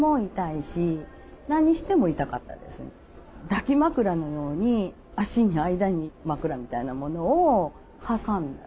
抱き枕のように脚の間に枕みたいなものを挟んだ。